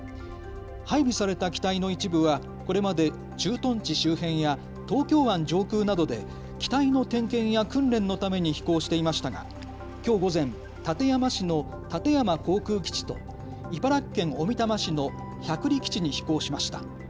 配備された機体の一部はこれまで駐屯地周辺や東京湾上空などで機体の点検や訓練のために飛行していましたがきょう午前、館山市の館山航空基地と茨城県小美玉市の百里基地に飛行しました。